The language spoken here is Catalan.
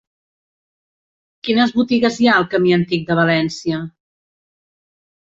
Quines botigues hi ha al camí Antic de València?